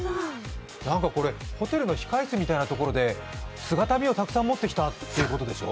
ホテルの控え室みたいなところに、姿見をたくさん持ってきたということでしょう？